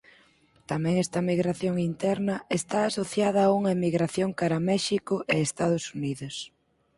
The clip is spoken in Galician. Tamén esta migración interna está asociada a unha emigración cara México e Estados Unidos.